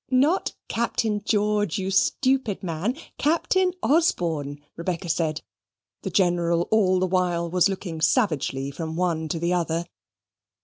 "Not Captain George, you stupid man; Captain Osborne," Rebecca said. The General all the while was looking savagely from one to the other.